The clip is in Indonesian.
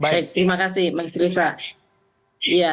terima kasih maksudnya